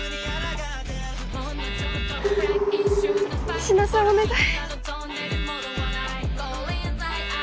仁科さんお願い。